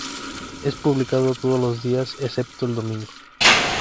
Es publicado todos los días excepto el domingo.